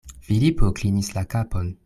Filipo klinis la kapon.